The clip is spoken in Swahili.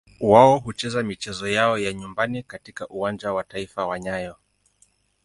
Wao hucheza michezo yao ya nyumbani katika Uwanja wa Taifa wa nyayo.